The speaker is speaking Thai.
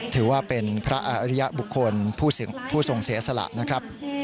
ถือว่าเป็นพระอริยบุคคลผู้ทรงเสียสละนะครับ